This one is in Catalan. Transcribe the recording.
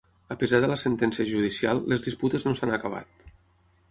A pesar de la sentència judicial, les disputes no s'han acabat.